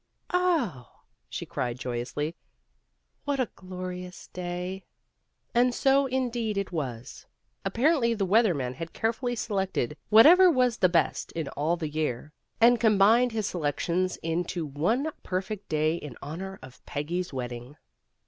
"Oh," she cried joyously, ''what a glorious day!" And so indeed it was. Apparently the weather man had carefully selected whatever was best 313 314 PEGGY RAYMOND'S WAY in all the year, and combined his selections in to one perfect day in honor of Peggy 's wedding.